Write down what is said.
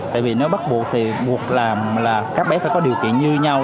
tại vì nếu bắt buộc thì buộc làm là các bé phải có điều kiện như nhau